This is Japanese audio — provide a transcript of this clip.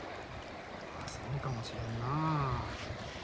そうかもしれんなあ。